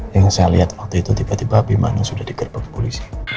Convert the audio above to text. yang saya lihat waktu itu tiba tiba bimakno sudah digerbak ke polisi